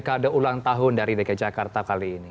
kade ulang tahun dari dki jakarta kali ini